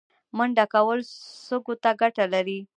منډه کول سږو ته ګټه لري